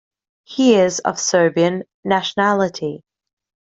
He is of Serbian nationality.